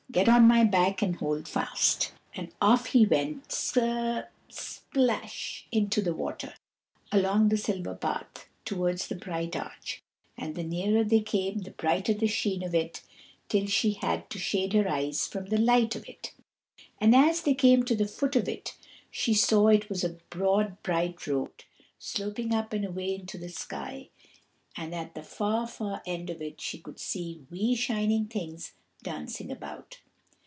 Get on my back and hold fast." And off he went Kerplash! into the water, along the silver path, towards the bright arch. And the nearer they came the brighter the sheen of it, till she had to shade her eyes from the light of it. And as they came to the foot of it, she saw it was a broad bright road, sloping up and away into the sky, and at the far, far end of it she could see wee shining things dancing about.